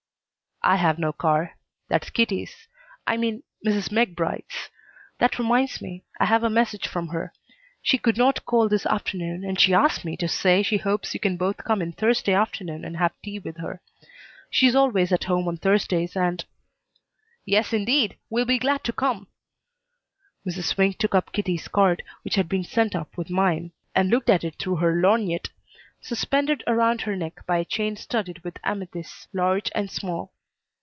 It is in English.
"I have no car. That's Kitty's I mean Mrs. McBryde's. That reminds me. I have a message from her. She could not call this afternoon, but she asks me to say she hopes you can both come in Thursday afternoon and have tea with her. She is always at home on Thursdays and " "Yes, indeed; we'll be glad to come." Mrs. Swink took up Kitty's card, which had been sent up with mine, and looked at it through her lorgnette, suspended around her neck by a chain studded with amethysts, large and small.